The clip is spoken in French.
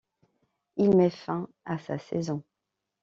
Il met fin à sa saison.